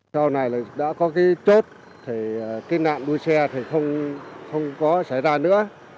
sau này đã có cái chốt cái nạn đuôi xe thì không có xảy ra nữa